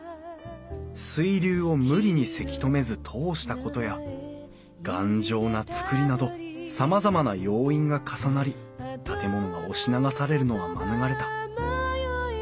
水流を無理にせき止めず通したことや頑丈な造りなどさまざまな要因が重なり建物が押し流されるのは免れた。